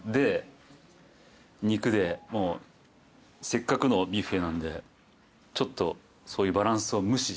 せっかくのビュッフェなんでちょっとそういうバランスを無視して。